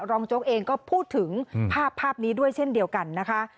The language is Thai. โจ๊กเองก็พูดถึงภาพนี้ด้วยเช่นเดียวกันนะคะ